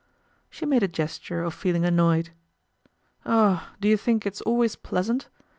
She made a gesture of feeling annoyed. "Oh! do you think it's always pleasant?